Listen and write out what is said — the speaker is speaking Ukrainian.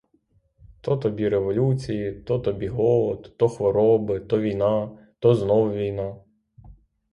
То тобі революції, то тобі голод, то хвороби, то війна, то знов війна.